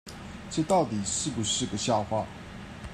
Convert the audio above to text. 這到底是不是個笑話